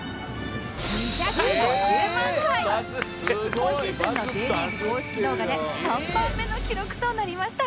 今シーズンの Ｊ リーグ公式動画で３番目の記録となりました